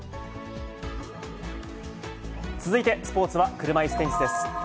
続いて、スポーツは車いすテニスです。